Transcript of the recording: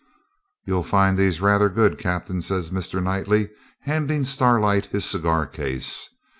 'You'll find these rather good, Captain,' says Mr. Knightley, handing Starlight his cigar case.